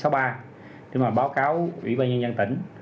báo cáo ủy ban nhân dân tỉnh